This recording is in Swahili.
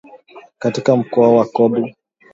Katika mkoa wa Kobu.